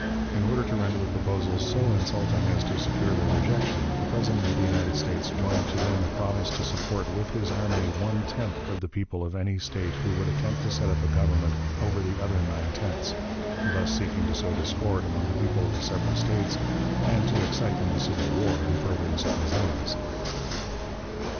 In order to render the proposals so insulting as to secure their rejection, the President of the United States joined to them a promise to support with his army one tenth of the people of any State who would attempt to set up a government over the other nine tenths; thus seeking to sow discord among the people of the several States, and to excite them to civil war in furtherance of his ends.